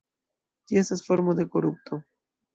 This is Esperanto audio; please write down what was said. Ĝi estas formo de korupto.